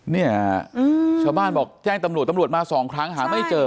เนี่ยชาวบ้านบอกแจ้งตำรวจตำรวจมาสองครั้งหาไม่เจอ